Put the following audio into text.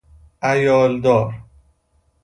عیال دار